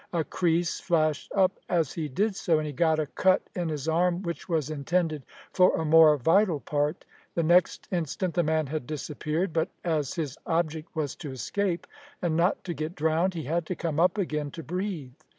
A creese flashed up as he did so, and he got a cut in his arm which was intended for a more vital part. The next instant the man had disappeared; but as his object was to escape, and not to get drowned, he had to come up again to breathe.